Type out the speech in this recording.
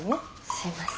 すいません。